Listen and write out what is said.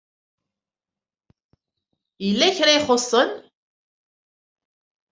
Yella kra i ixuṣṣen.